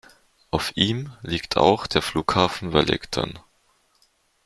Auf ihm liegt auch der Flughafen Wellington.